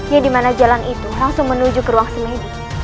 yang dimana jalan itu langsung menuju ke ruang semedi